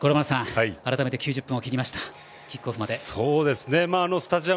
五郎丸さん、改めて９０分を切りましたキックオフまで。